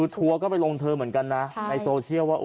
ทัวร์ก็ไปลงเธอเหมือนกันนะในโซเชียลว่า